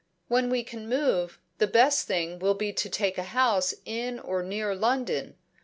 "When we can move, the best thing will be to take a house in or near London.